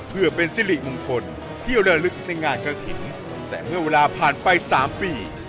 เพื่อเป็นสิริมงคลที่ระลึกในงานกระถิ่นแต่เมื่อเวลาผ่านไป๓ปี